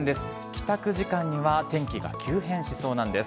帰宅時間には天気が急変しそうなんです。